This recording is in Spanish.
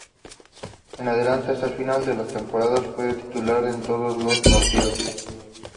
En adelante, hasta el final de la temporada, fue titular en todos los partidos.